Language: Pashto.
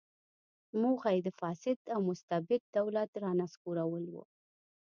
موخه یې د فاسد او مستبد دولت رانسکورول و.